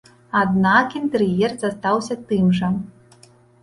Аднак інтэр'ер застаўся тым жа.